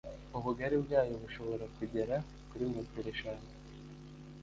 ubugari bwayo bushobora kugera kuri metero eshanu